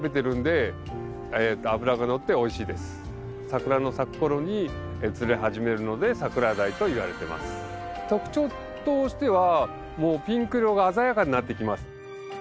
桜の咲く頃に釣れ始めるので桜鯛といわれてます特徴としてはピンク色が鮮やかになってきます